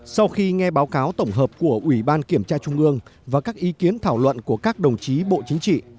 sau khi nghe báo cáo tổng hợp của ủy ban kiểm tra trung ương và các ý kiến thảo luận của các đồng chí bộ chính trị